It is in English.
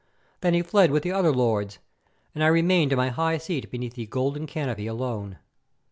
Then he fled with the other lords, and I remained in my high seat beneath the golden canopy alone.